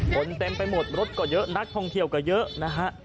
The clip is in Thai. เต็มไปหมดรถก็เยอะนักท่องเที่ยวก็เยอะนะฮะ